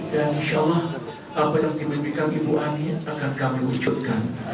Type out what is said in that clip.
dan insya allah apa yang dimimpikan ibu ani akan kami wujudkan